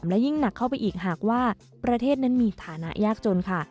และยิ่งหนักเข้าไปอีกหากว่าประเทศนั้นมีฐานะยากจนค่ะ